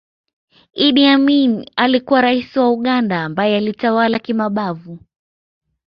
Idd Amin alikuwa Raisi wa Uganda ambaye alitawala kimabavu